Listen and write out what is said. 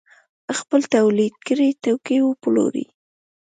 خپل تولید کړي توکي وپلوري.